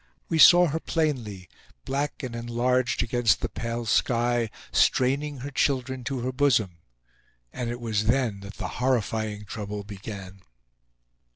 We saw her plainly, black and enlarged against the pale sky, straining her children to her bosom. And it was then that the horrifying trouble began.